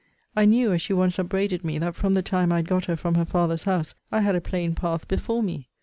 * I knew, as she once upbraided me, that from the time I had got her from her father's house, I had a plain path before me.